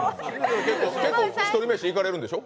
結構ひとり飯行かれるんでしょ？